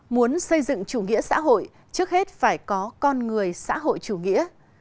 muốn xây dựng chủ nghĩa xã hội trước hết phải có con người xã hội chủ nghĩa